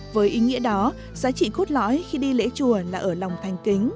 với ý nghĩa đó giá trị khốt lõi khi đi lễ chùa là ở lòng thành kính